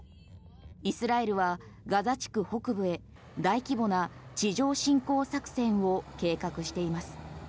イスラエルはガザ地区北部へ大規模な地上侵攻作戦を計画しています。